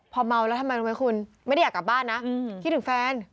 พอเมาแล้วทำไมรู้ไหมคุณไม่ได้อยากกลับบ้านนะคิดถึงแฟน